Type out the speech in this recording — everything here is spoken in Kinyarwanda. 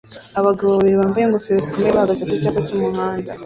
Abagabo babiri bambaye ingofero zikomeye bahagaze ku cyapa cy'umuhanda